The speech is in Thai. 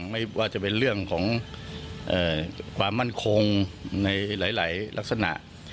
ไม่ว่าจะเป็นเรื่องของความมั่นคงในหลายลักษณะ